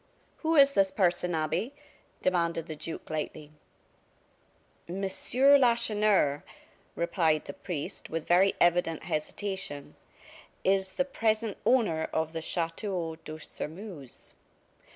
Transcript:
"Who is this person, Abbe?" demanded the duke, lightly. "Monsieur Lacheneur," replied the priest, with very evident hesitation, "is the present owner of the Chateau de Sairmeuse."